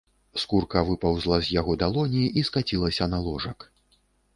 Скурка выпаўзла з яго далоні і скацілася на ложак.